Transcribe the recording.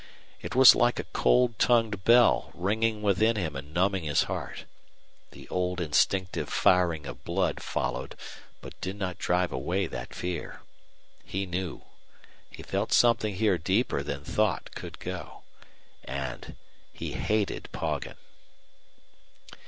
It was like a cold tongued bell ringing within him and numbing his heart. The old instinctive firing of blood followed, but did not drive away that fear. He knew. He felt something here deeper than thought could go. And he hated Poggin.